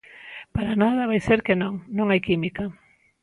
Para nada, vai ser que non: non hai química.